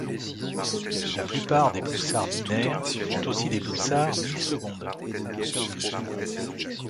La plupart des pulsars binaires sont aussi des pulsars millisecondes.